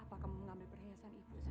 apakah mengambil perhiasan ibu saya